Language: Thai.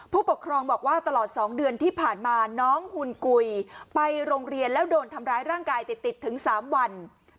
ผู้ปกครองบอกว่าตลอด๒เดือนที่ผ่านมาน้องหุ่นกุยไปโรงเรียนแล้วโดนทำร้ายร่างกายติดถึง๓วัน